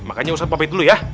makanya ustadz mau pergi dulu ya